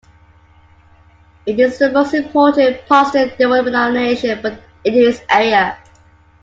It is the most important Protestant denomination in this area.